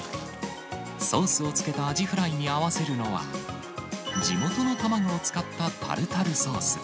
ソースをつけたアジフライに合わせるのは、地元の卵を使ったタルタルソース。